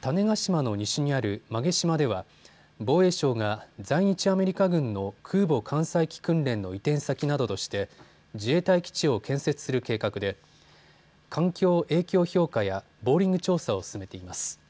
種子島の西にある馬毛島では防衛省が在日アメリカ軍の空母艦載機訓練の移転先などとして自衛隊基地を建設する計画で環境影響評価やボーリング調査を進めています。